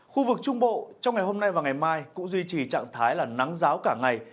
khu vực trung bộ trong ngày hôm nay và ngày mai cũng duy trì trạng thái là nắng giáo cả ngày